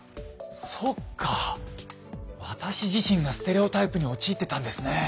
そっか私自身がステレオタイプに陥ってたんですね。